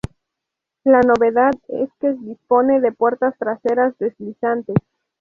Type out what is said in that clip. La novedad es que dispone de puertas traseras deslizantes.